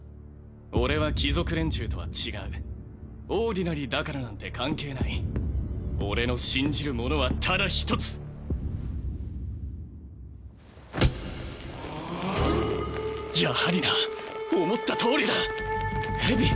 俺は貴族連中とは違うオーディナリーだからなんて関係ない俺の信じるものはただ一つやはりな思ったとおりだエヴィ！